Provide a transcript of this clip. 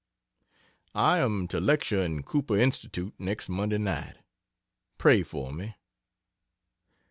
I am to lecture in Cooper Institute next Monday night. Pray for me.